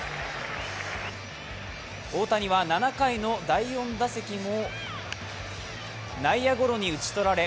大谷は７回の第４打席も内野ゴロに打ち取られ